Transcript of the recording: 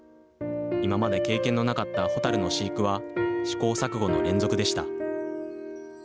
今まで経験のなかったホタルの飼育は、試行錯誤の連続でした。